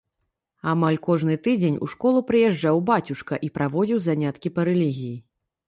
Амаль кожны тыдзень у школу прыязджаў бацюшка і праводзіў заняткі па рэлігіі.